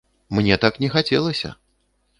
Мне так не хацелася!